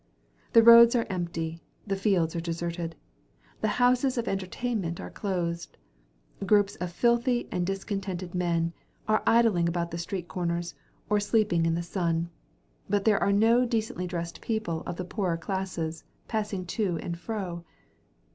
The roads are empty, the fields are deserted, the houses of entertainment are closed. Groups of filthy and discontented looking men, are idling about at the street corners, or sleeping in the sun; but there are no decently dressed people of the poorer class, passing to and fro.